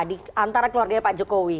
di antara keluarganya pak jokowi